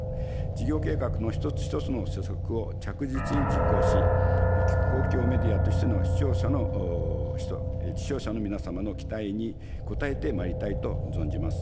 事業計画の一つ一つの施策を着実に実行し、公共メディアとしての視聴者の皆様の期待に応えてまいりたいと存じます。